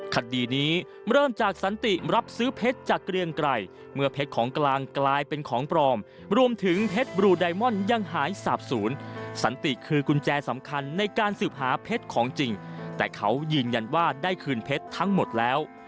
คดีนี้เริ่มจากสันติรับซื้อเพชรจากเกรียงไกรเมื่อเพชรของกลางกลายเป็นของปลอมรวมถึงเพชรบลูไดมอนด์ยังหายสาบศูนย์สันติคือกุญแจสำคัญในการสืบหาเพชรของจริงแต่เขายืนยันว่าได้คืนเพชรทั้งหมดแล้ว